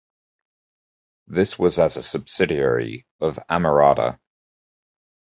This was as a subsidiary of Amerada.